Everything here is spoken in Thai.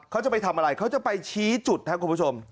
เขาจะไปทำอะไรเขาจะไปชี้จุดครับคุณผู้ชม